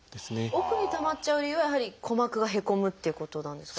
奥にたまっちゃう理由はやはり鼓膜がへこむっていうことなんですか？